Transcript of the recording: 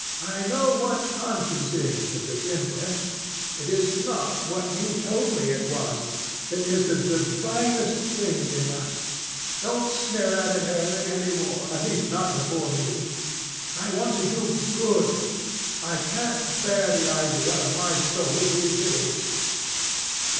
I know what conscience is, to begin with. It is not what you told me it was. It is the divinest thing in us. Don't sneer at it, Harry, any more—at least not before me. I want to be good. I can't bear the idea of my soul being hideous."